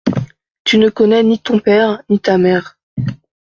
Tu ne connais ni ton père ni ta mère.